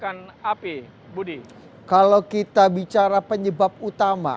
kalau kita bicara penyebab utama apakah sudah dilakukan investigasi sementara kemudian ada hipotesa sementara